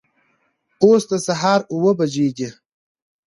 اوس د سهار اوه بجې دي